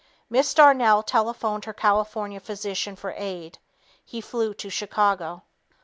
Miss Darnell telephoned her California physician for aid. He flew to Chicago.